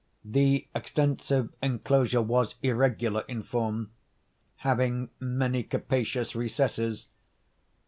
The extensive enclosure was irregular in form, having many capacious recesses.